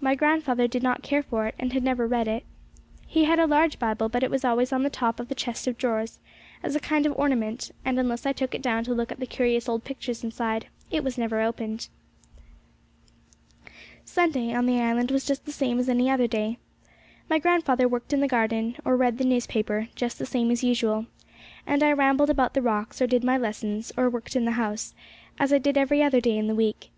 My grandfather did not care for it, and never read it. He had a large Bible, but it was always laid on the top of the chest of drawers, as a kind of ornament; and unless I took it down to look at the curious old pictures inside, it was never opened. Sunday on the island was just the same as any other day. My grandfather worked in the garden, or read the newspaper, just the same as usual, and I rambled about the rocks, or did my lessons, or worked in the house, as I did every other day in the week.